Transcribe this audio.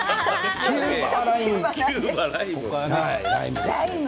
キューバはライム。